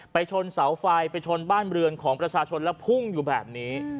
ชนเสาไฟไปชนบ้านเรือนของประชาชนแล้วพุ่งอยู่แบบนี้